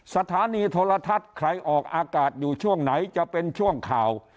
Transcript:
สถานีโทรทัศน์ใครออกอากาศอยู่ช่วงไหนจะเป็นช่วงข่าว